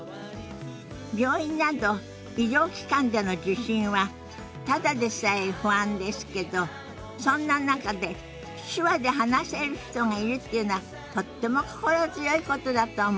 病院など医療機関での受診はただでさえ不安ですけどそんな中で手話で話せる人がいるっていうのはとっても心強いことだと思います。